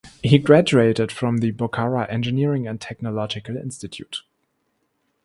He graduated from the Bukhara Engineering and Technological Institute.